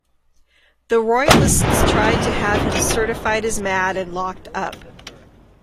The royalists tried to have him certified as mad and locked up.